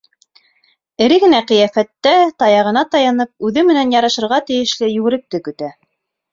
Эре генә ҡиәфәттә, таяғына таянып, үҙе менән ярышырға тейешле йүгеректе көтә.